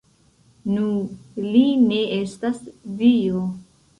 Nu, li ne estas dio